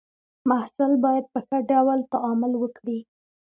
محصل باید په ښه ډول تعامل وکړي.